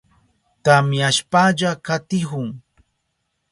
Tamyashpalla katihun.